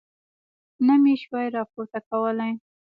نه مې شوای راپورته کولی.